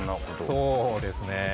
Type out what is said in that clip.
そうですね。